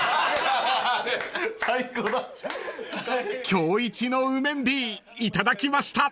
［今日一のウメンディ頂きました］